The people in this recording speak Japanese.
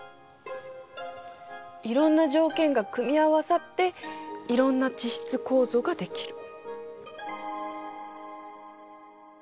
いろんな条件が組み合わさっていろんな地質構造ができる。